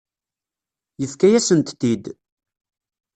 Yefka-yasent-t-id.